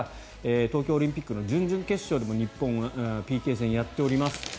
東京オリンピックの準々決勝でも日本、ＰＫ戦をやっております。